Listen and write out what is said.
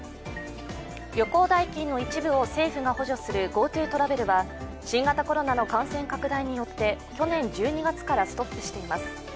旅行代金の一部を政府が補助するＧｏＴｏトラベルは新型コロナの感染拡大によって、去年１２月からストップしています。